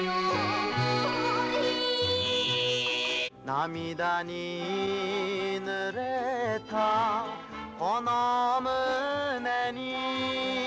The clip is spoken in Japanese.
「涙に濡れたこの胸に」